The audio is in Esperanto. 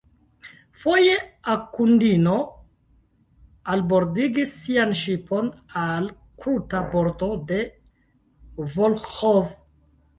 Foje Akundino albordigis sian ŝipon al kruta bordo de Volĥov.